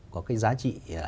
có cái giá trị